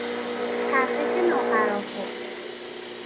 چرخش نافراخور